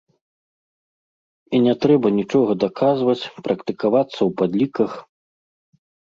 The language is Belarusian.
І не трэба нічога даказваць, практыкавацца ў падліках.